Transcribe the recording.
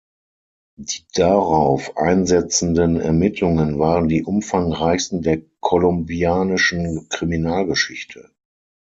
Die darauf einsetzenden Ermittlungen waren die umfangreichsten der kolumbianischen Kriminalgeschichte.